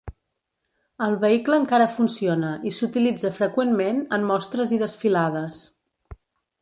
El vehicle encara funciona i s'utilitza freqüentment en mostres i desfilades.